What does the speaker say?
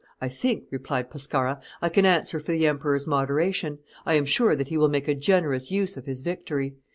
"I think," replied Pescara, "I can answer for the emperor's moderation; I am sure that he will make a generous use of his victory.